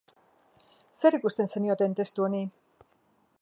Zer ikusi zenioten testu honi?